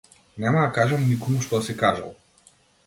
Нема да кажам никому што си кажал.